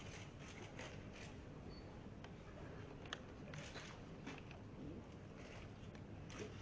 สิ่งที่โดยเวลาเสียใจสักหนึ่งนาทีนะครับ